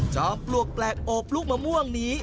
ปลวกแปลกโอบลูกมะม่วงนี้